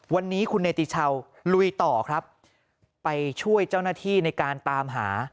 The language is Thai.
วันนี้คุณเนติชาวลุยต่อครับไปช่วยเจ้าหน้าที่ในการตามหา